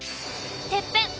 てっぺん。